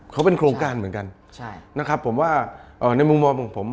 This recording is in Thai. เขาเป็นโครงการเหมือนกันใช่นะครับผมว่าเอ่อในมุมมองของผม